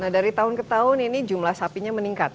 nah dari tahun ke tahun ini jumlah sapinya meningkat